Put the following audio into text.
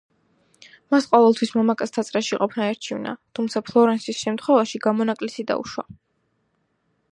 მას ყოველთვის მამაკაცთა წრეში ყოფნა ერჩივნა, თუმცა, ფლორენსის შემთხვევაში გამონაკლისი დაუშვა.